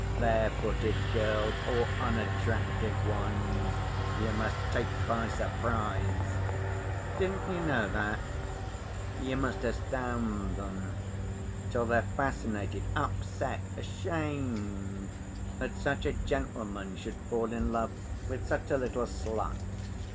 Bare‐footed girls or unattractive ones, you must take by surprise. Didn't you know that? You must astound them till they're fascinated, upset, ashamed that such a gentleman should fall in love with such a little slut.